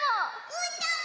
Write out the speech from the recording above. うーたんも！